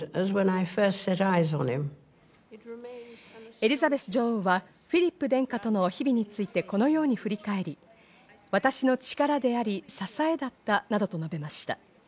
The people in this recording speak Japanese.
エリザベス女王はフィリップ殿下との日々についてこのように振り返り、私の力であり、支えだったなどと述べました。